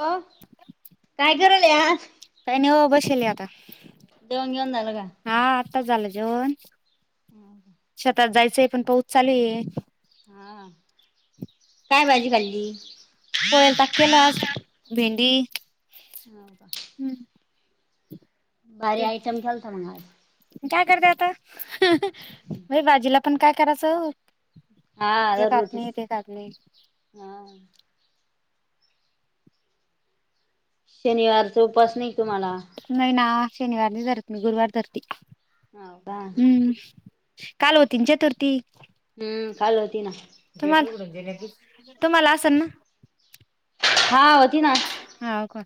हो काय करायल्या... काही बसेल आहे आता... जेवणं गेवण झाल का.. जेवणं... हम... शेतात जायचंय पण पाऊस चालु आहे... हां.... काय भाजी खाल्ली.... ते.. हो का.... भारी आयटम केलता मग आज... काय करते आता बाई भाजीला पण काय करायचं... हा म्हणजे दररोजचीच कापने ते कापने... हा. शनिवारचा उपास नाही तुम्हाला... नाही ना शनिवार नाही धरत मी गुरुवार धरते... हो का. हम्म काल होती न चतुर्थी..... हम्म काल होती ना. तुम्हाला, तुम्हाला असेल ना... हां... हो का....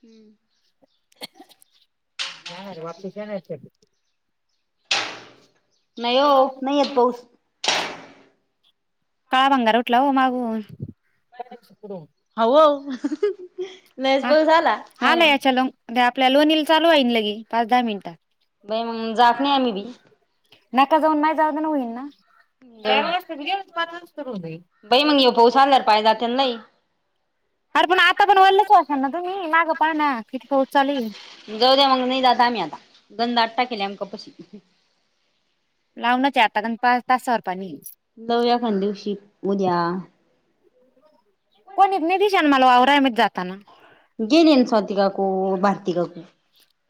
हम्म [inaudible] जाणार आहे वापस येणार आहेत का ते.. नाही हो नाही येत पाऊस.... काळा भंगार उठला हो मागुन... हो लय च पाऊस आला... याच्या लो आपल्या लोणी ले चालु‌‌ होईन लगे पाच दहा मिनिटात... बाई मग जात नाही आम्ही बी... नका जाऊन मा जाऊ ना होईन ना... चार वाजता घेऊ पाच वाजत हो जाई... बाई मग ह्यो पाऊस आल्यावर पाय जात्यात लई. अरे पण आता पण ओलच असा ना तुम्ही ना ग पाह ना किती... चालू आहे. जाऊ द्या मग नाही जात आम्ही आता गंध आट्टा केली आम कपशी... लावूनच आता या पाच तासवर.. नव्या खं दिवशी उद्या कोणीत नाही दिशान मला वावरा म जाताना.. गेन येन साौतिका कू भारतिका कू...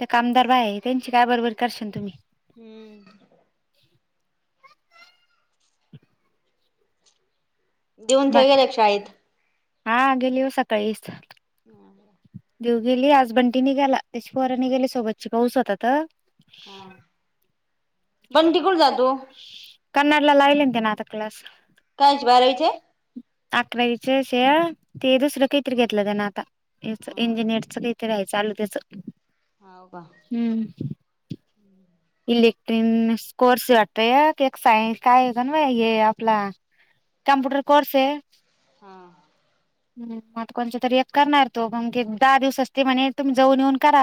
ते कामदार बाया आहे त्यांची काय बरोबरी करशन तुम्ही.. हम्म देऊन बा ठेव गेले शाळेत... हा गेली हो सकाळीच.. देऊ गेली आजबंटी निगाला त्याची पोर नीघाली सोबतची पाऊस होतात. हा ह [inaudible] बंटी कुठं जातो कनडला लावेल ते न आता क्लास. कायचे बारवीचे. अकरावीचेेचे ते दुसरं काहीतरी घेतलं त्यांना आता हाव इंजिनियरच काही ते हाय चालू त्याच, का हम्म. इलेक्ट्रनस कोर्स वाटत सायन काये काणू बाई हे आपला कमप्युटर कोर्से. हा हम् मग कोणच तरी एक करणार तो मग की दहा दिवस असते म्हणेज तुम्ही जाऊन येऊन करा.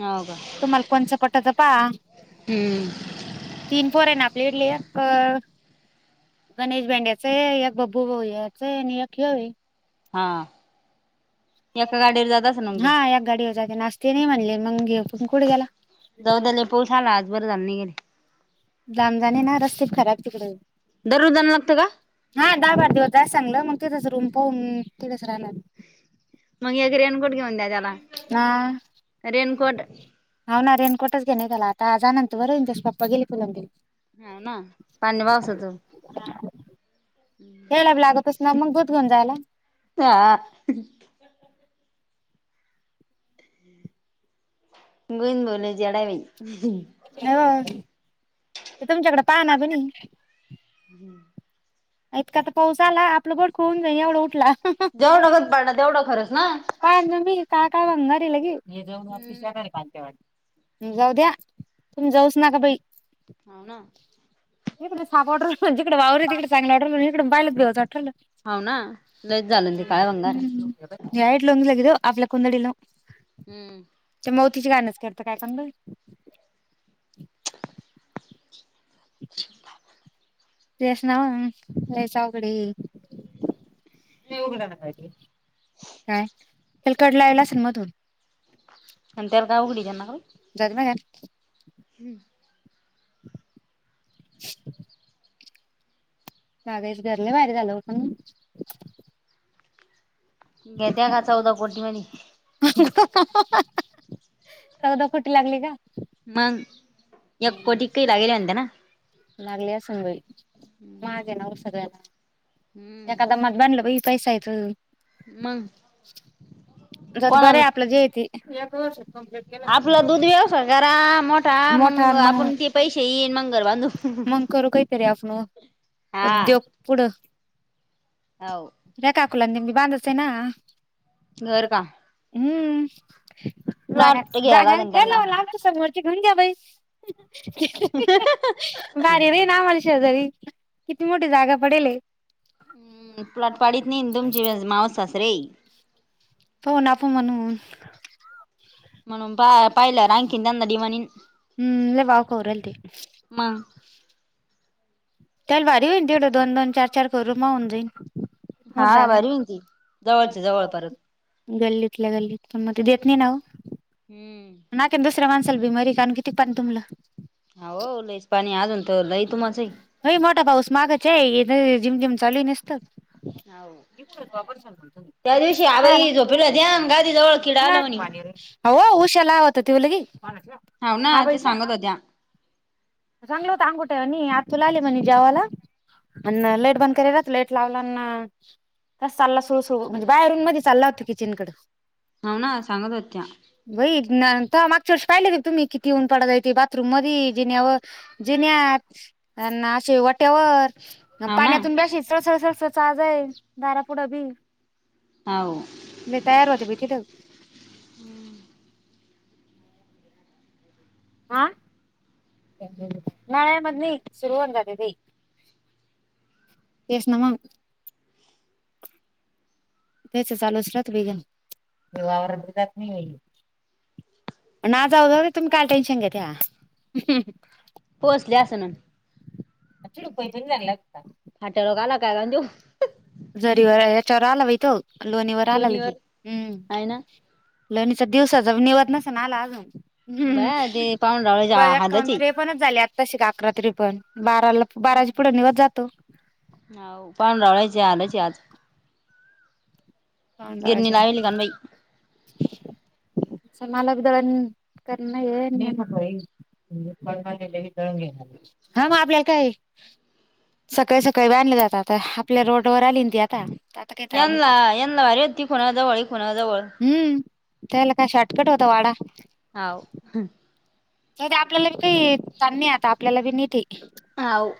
हाव का तुम्हाला कोणच पटत पा. हम्म तीन पोरय ना आपले ईडले. एक गणेश भेंड्याचे, एक बबू भाऊ, याचे नि एक होये. हा. एका गाडीवर जात असेल मग हा ते एका गाडीवर जातना आज तेनाही म्हणले मग हे पण कुठे गेला. जाऊदे लई पाऊस आला आज बरं झालं नई गेले. लांब जााणे ना रस्ते खराब तिकडे. दररोज जाण लागत का? चांगलं मग तीदच रूम पाहून तीदच राहणारे. मग एक रेनकोट घेऊन द्या त्याला. ह रेनकोट हाव ना रेन कोटच घेणेन आता आज आणलं तर बरं होईल. त्याचे पप्पा गेली कोलंबीला. हा ना पाणी पावसाच. यायला बी लागतच ना मग दूध घेऊन जायला हा. गोविंद भाऊ ते तुमच्याकडे पाह ना कुणी. हम्म [inaudible] ऐतका त पाऊस आला आपलं बोडख वाऊन जाई एवढा उठला. जेवढं करच पाडण तेवढं खरंच ना [unintelligible] जाऊ हम्म द्या तुम्ही जाऊच नाका बाई. हाव ना. इकडे साप वाटूरायल पण जीकडे वावरे तिकडे चांगलं वाटूरायल, इकडून पायल का भेवच वाटू राहिलं. हाव ना लईच झालं ते काळ भंगार. ह वईट लनग आपल्या कोंदडीला [unintelligible] हम्म. किच गाणंच करत काणू बाई. [inaudible] तेस नाव लईच अवघडे. काय? त्याला कडलावेल असेल मधून. एंत का [unintelligible] जर मग [unintelligible] मागाईच घर लय भारी झालं हो पण, घेता का चौदा कोटी मध्ये, चौदा कोटी लागली का, मग या कोटी काही लागेले [unintelligible] लागली अस असंई मागे नावर सगळ्याला एखादा मग बांडलं पैसा येतो. मग, जत बर कोणाला आपलं जे ते काम आपला दूध व्यवसाय करा मोठा मग, आपण ते पैसे येईन मग घर बांधू. मग करू कायतरी आपण, उद्योग पुड हव, [unintelligible] घर का, हम्म! जागा प्लॉट घ्यावा जागा लागेल त्यांना. केयला लाग तो सोरची घेऊन घ्या बाई. बारीर आहे नाम्हाला शेजारी किती मोठी जागा पडेल ये [inaudible] हम्म प्लॉट पाडीत नाही तुमची मावस सासरे, हो ना आपण म्हणून, म्हणून पा पाहिलं र [unintelligible] वाक वरल ते त्याला भारी होईन तेवढं दोन दोन चार चार करू माऊन जाईन. होर [unintelligible] हा जगाय भारी होईन ती जवळच्या जवळ परत. गल्लीत आपल्या गल्लीत संमती देत नाही ना. हम्म. नाही का ना दुसऱ्या माणसाला बीमारी काण किती पाणी तुमला हो लईच पाणी अजून तर लई तुम्हाच आहे. भई मोठा पाऊस मागचे, जिम जिम चालूये नुसत हाव. त्या दिवशी आबाई झोपेल होत्या आणि गादी जवळ किडा आला म्हणे. [unintelligible] होव हुशेला आवत, ते की हाव ना ते हबाईच्या सांगत होत्या चांगल होत अंगुठ आ तू ला आल म्हण जेवायला अ लेट बंद करेला त लेट लावला तस चालला सुरू सुरू म्हणे बारून मध्ये चालला होता किचनकड. आना सांगतहुत्या. बाई मागच्या वर्षी पाहिले तुम्ही किती ऊन पडता येते, बाथरूम मध्ये जेण्या व जेण्या ना शेवट एवर हाव ना पाण्यातून ब्याशी चसळसळ जईल दारात. पुढं बी, हाव. मी तयार होते. बाई तिथं, आं, नाळ्यामध्ये सुरुवन जाते ते, येस नावा. त्याच चालू असल बेगनवर जात [unintelligible] नाहीई ना जाऊ जाऊ तुम्ही [unintelligible] पोसले असन, फाट्यावर आला काय गं त्यो झरी व याच्यारा आलावात [unintelligible] लोणीवर आलाल की हम्म. आहे ना. लणीचा दिवसाचा निवत नसे ना आला अजून, हम् बया ते पाहुणरावळ्याच्या बया काम हालचे त्रेपन च झाल्यात आ तशी गा रात्री पण, बाराला बाराच्या पुढे निवेद जातो. [unintelligible] आलच आज [unintelligible] गिरणी चाल लावेली कान बाई मलाबी दळण करणये. हा मग आपल्या काय. सकाळी सकाळी बांधले जातात आपल्या रोड वर आली ना ती आता. आता काय ताण यांना यांना भारी होती ती पुणा जवळ ह पुणा जवळ. हम्म त्याला काय शॉर्टकट होता वाडा. हाव. तर ते आपल्याला बी काही काम नाही आता आपल्याला बी नीेते. हाव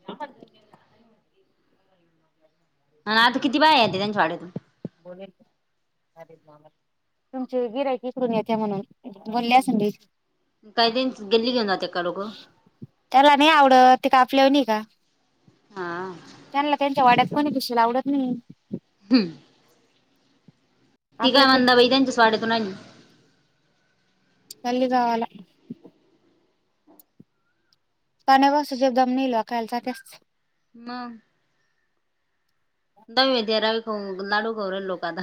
गम [unintelligible] आता किती बाहे येते त्यांच्या वाड्यातून. तुमची गिरायीक ईकडून येते म्हणून. बोलल्या असंन ती. काही त्यांच गल्ली घेऊन जाते का लोकं त्याला नाही आवडत ते का आपल्या वानी का? हा त्यांला त्यांच्या वाड्यात कोणी कशी ला आवडत नाही हम्म तिघा आपल्या पिस मंदा वई त्यांच्याच वाड्यातून आली तली कावला पाण्या वसू जेबदाम नलोकालचा त्याच म खाऊ लाडू खाऊ राहिले लोक आता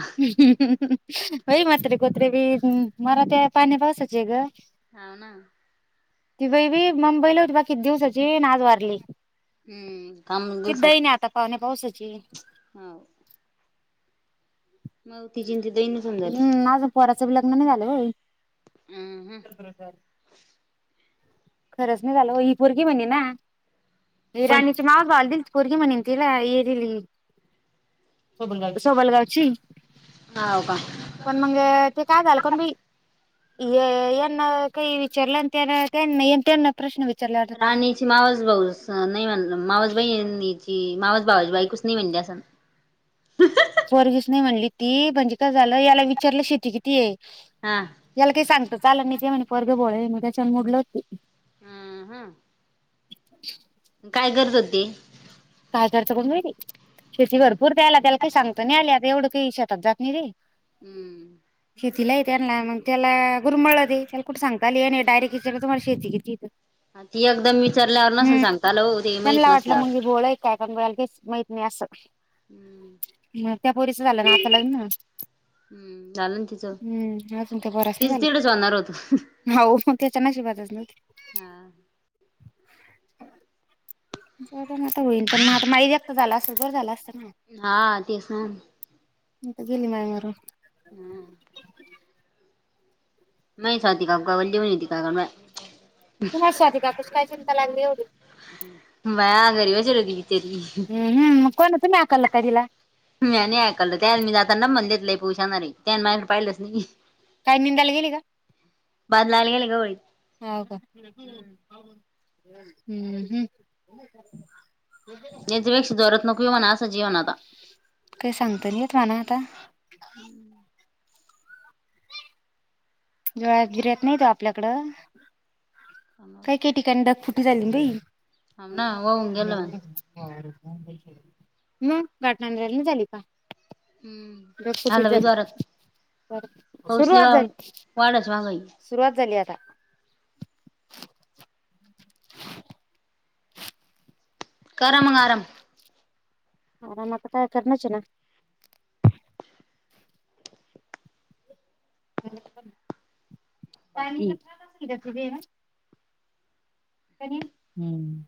वई माते कोत्रे ब हम मला ते पाणी पावसाचे आहे ग हाव ना ती बाईबी मुंबईला होती बा किती दिवसाची नाज वारली हम्म काम कि दही नाही आता पाहणे पाहच हो मा त जि हम् आझ पोराचं लग्न नाही झालं ब हम्म हम्म खरंच नाही झालं इपोर की म्हणे ना पण राणीची माग घाल दिल पोरगी म्हणेन तिला येरली ाव सबालगावची हाव का पण मंग ते काय झालं कोण बी यांना काही विचारलंंतनांत त्यांना प्रश्न विचार राणीची मावास भाऊ अस नाही म्हणलं मावास बई की मावाज बावाजी बाई कुस नाही मिळल्या सन पर्गस नाही म्हणली ती म्हणजे काय झालं याला विचारलं शेती किती आहे हा याला काही सांगत चाला नाही ते म्हणे परर्ग बोळ मग त्याच्यान मुडलं होती हम्म हम [unintelligible] काय करत होते हजार च कोण वरी शेती भरपूर दयला त्याला काही सांगतो नाही आली आता एवढं काही शेतात जात नाही रे हम्म शेतीला येतना मग त्याला गुरुमळ दे त्याला कुठे सांगताले डायरेट तुम्हाला शेतीती ती एकदम विचारल्यावर नसल सांगता आला हो ते माहित नसल च माहत नाही असं ह त्या पोरीच झालं ना आता लग ना हम्म झालं ना तिचं हम्म अजून ते बराच तीच नाही झाल तिडच होणार होत मग त्याच्या नशिबात हा जर ना तर होईल पण मग आता माई झाला असत जर झाला असत हा तेस गेली माय मार हम्म म सा दिखा वल्ि दिखाय म तुमार साध का पुष काय चिंतल लागलीलेवी [unintelligible] म घरी म चल त तेरी [unintelligible] हम्म मग कोण तुम्ही हाकललं का तिला? मी नाही ऐकलं त्या मी जाताना म्हण देतलं [unintelligible] बशणारी त्या माहेर पाहिलंच नाही काय निंदायला बादलाला गेले ग ह का हम्म हम् याच्यापेक्षा दत नको कं अस [unintelligible] काय सांगत नाहीेत म्हणा आता हम्म [inaudible] जोळत गिर्यात नाही तो आपल्याकडं काही हाव काही ठिकाणी ढगफुटी झाली बाई ना वाहून गेलं म्हण [unintelligible] मग घाटनाराला झाली का बस हम्म कुटी आलं झा बाई जोरात [unintelligible] पाऊस लय सुरुवात झाली वाढच मागं आहे सुरुवात झाली आता करा मग आराम आराम आता काय करणचे ना [unintelligible] [unintelligible] हम्म